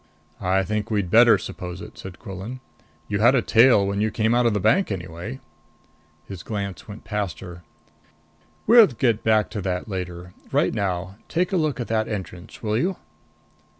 "I think we'd better suppose it," said Quillan. "You had a tail when you came out of the bank anyway." His glance went past her. "We'll get back to that later. Right now, take a look at that entrance, will you?"